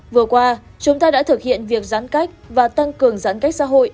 vừa qua chúng ta đã thực hiện việc giãn cách và tăng cường giãn cách xã hội